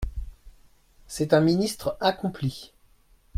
C'est un ministre accompli.